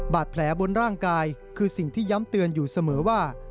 บาดแผลบนร่างกายคือสิ่งที่ย้ำเตือนอยู่เสมอว่า